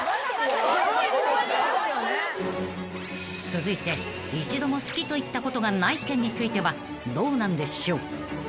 ［続いて一度も好きと言ったことがない件についてはどうなんでしょう］